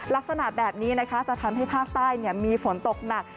ลักษณะแบบนี้นะคะจะทำให้ภาคใต้มีฝนตกหนัก